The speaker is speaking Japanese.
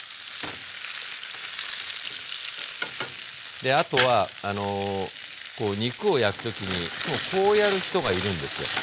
であとはこう肉を焼く時にいつもこうやる人がいるんですよ。